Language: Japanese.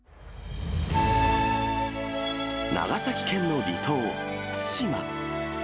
長崎県の離島、対馬。